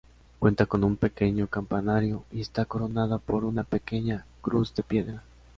Cuenta con un pequeño campanario y está coronada por una pequeña cruz de piedra.